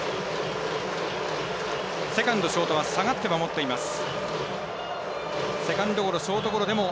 セカンド、ショートが下がって守っています。